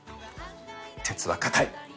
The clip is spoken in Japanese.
鉄は硬い。